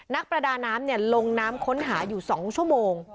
นักประดาน้ำลงน้ำค้นหาอยู่๒ชั่วโมง